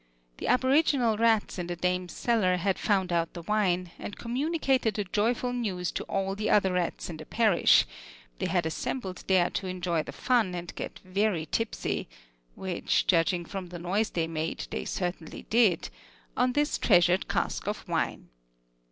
The aboriginal rats in the dame's cellar had found out the wine, and communicated the joyful news to all the other rats in the parish; they had assembled there to enjoy the fun, and get very tipsy (which, judging from the noise they made, they certainly did) on this treasured cask of wine.